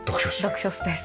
読書スペース。